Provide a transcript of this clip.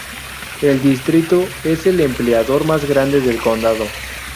El distrito es el empleador más grande del condado.